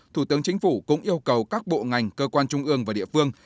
thủ tướng chính phủ cũng yêu cầu các bộ ngành cơ quan trung ương và địa phương